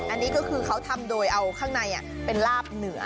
อันนี้ก็คือเขาทำโดยเอาข้างในเป็นลาบเหนือ